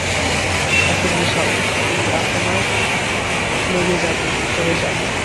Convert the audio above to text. তাঁকে বোঝাও, এই আপনার লেগে যাবে, সরে যান।